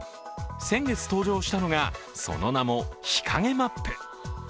先月、登場したのが、その名も日陰マップ。